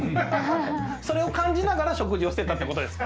それを感じながら食事をしてたってことですか？